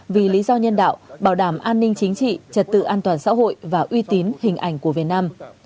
vì lý do nhân đạo bảo đảm an ninh chính trị trật tự an toàn xã hội và uy tín hình ảnh của việt nam